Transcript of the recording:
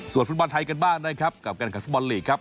ส่วนฟุตบอลไทยกันบ้างนะครับกับการขันฟุตบอลลีกครับ